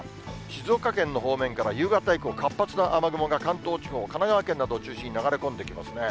静岡県の方面から、夕方以降、活発な雨雲が関東地方、神奈川県などを中心に流れ込んできますね。